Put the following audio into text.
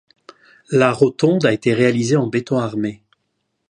La rotonde a été réalisée en béton armé.